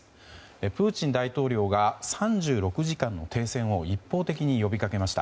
プーチン大統領が３６時間の停戦を一方的に呼びかけました。